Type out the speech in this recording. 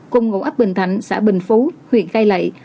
cùng ngụ ấp bình thạnh xã bình phú huyện cai lệ